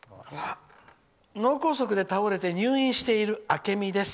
脳梗塞で倒れて入院しているあけみです」。